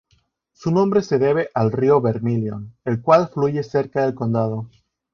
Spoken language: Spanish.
Su nombre se debe al Río Vermilion, el cual fluye cerca del condado.